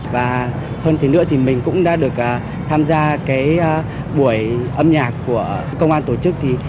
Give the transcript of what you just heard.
và hơn thế nữa thì mình cũng đã được tham gia cái buổi âm nhạc của công an nhân dân